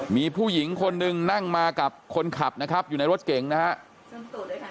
มีผู้หญิงคนหนึ่งนั่งมากับคนขับนะครับอยู่ในรถเก่งนะครับ